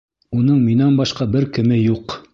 Уның минән башҡа бер кеме юҡ!